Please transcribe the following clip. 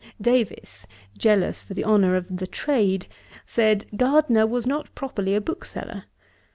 Davies, zealous for the honour of the Trade, said, Gardner was not properly a bookseller.